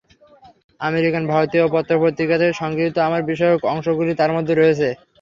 American ও ভারতীয় পত্র-পত্রিকা থেকে সংগৃহীত আমার বিষয়ক অংশগুলি তার মধ্যে রয়েছে।